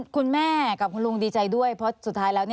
คุณแม่กับคุณลุงดีใจด้วยเพราะสุดท้ายแล้ว